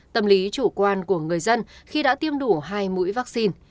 tâm lý chủ quan của người dân khi đã tiêm đủ hai mũi vaccine